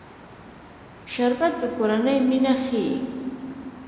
شربت د کورنۍ مینه ښيي